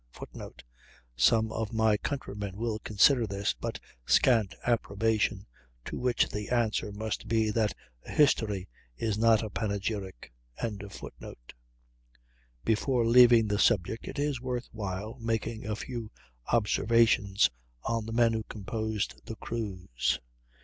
[Footnote: Some of my countrymen will consider this but scant approbation, to which the answer must be that a history is not a panegyric.] Before leaving the subject it is worth while making a few observations on the men who composed the crews.